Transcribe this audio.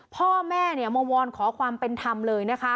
พ่อแม่มาวอนขอความเป็นธรรมเลยนะคะ